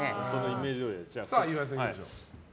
岩井さんいきましょう。